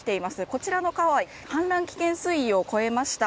こちらの川は氾濫危険水位を超えました。